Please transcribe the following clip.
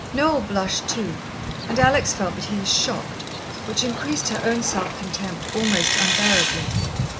Noel blushed too and Alex felt that he was shocked, which increased her own self contempt almost unbearably.